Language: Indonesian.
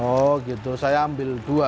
oh gitu saya ambil dua